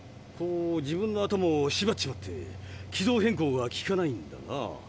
こう自分の頭をしばっちまって軌道変更がきかないんだな。